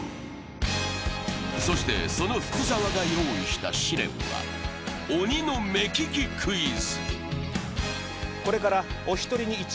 そして、その福澤が用意した試練は鬼の目利きクイズ。